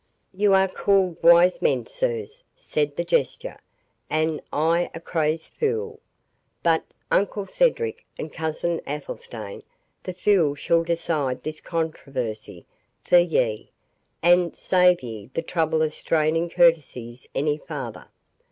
"You are called wise men, sirs," said the Jester, "and I a crazed fool; but, uncle Cedric, and cousin Athelstane, the fool shall decide this controversy for ye, and save ye the trouble of straining courtesies any farther.